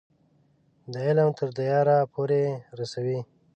د علم تر دیاره پورې رسوي.